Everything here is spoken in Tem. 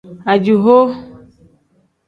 Ajihoo.